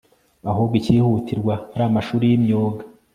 ahubwo icyihutirwa ari amashuri y'imyuga